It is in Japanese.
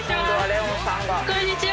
こんにちは。